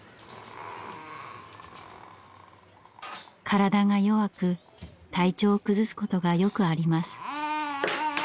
体が弱く体調を崩すことがよくあります。